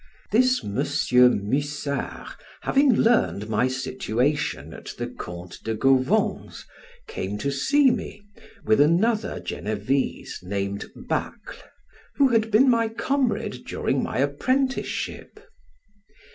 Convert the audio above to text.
This M. Mussard, having learned my situation at the Count de Gauvon's, came to see me, with another Genevese, named Bacle, who had been my comrade during my apprenticeship.